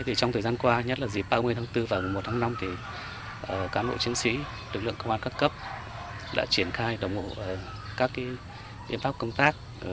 trong thời gian qua nhất là dịp ba mươi tháng bốn và một tháng năm cán bộ chiến sĩ lực lượng công an cấp cấp đã triển khai đồng hộ các yên tóc công tác